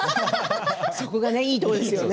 そこがいいところですよね。